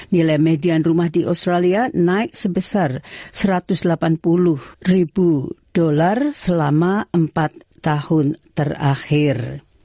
nilai median rumah di australia naik sebesar satu ratus delapan puluh ribu dolar selama empat tahun terakhir